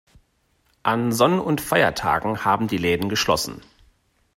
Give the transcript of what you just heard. An Sonn- und Feiertagen haben die Läden geschlossen.